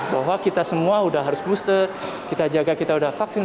bahwa kita semua sudah harus booster kita jaga kita sudah vaksin